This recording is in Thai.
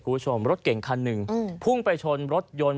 คุณผู้ชมรถเก่งคันหนึ่งพุ่งไปชนรถยนต์